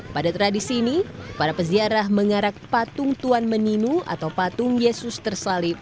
pada tradisi ini para peziarah mengarak patung tuan meninu atau patung yesus tersalib